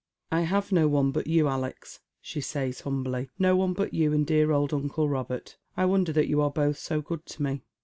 " I have no one but you, Alex," she says humbly ;" no one but you and dear old uncle Robert. I wonder that you are both BO good to me."